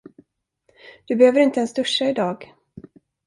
Du behöver inte ens duscha idag.